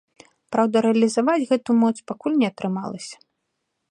Праўда, рэалізаваць гэту моц пакуль не атрымалася.